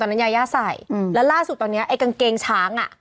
ตอนนั้นยาย่าใส่อืมแล้วล่ศูนย์ตอนนี้ไอว์กางเกงช้างอ่ะ